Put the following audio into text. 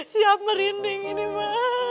siap merinding ini ma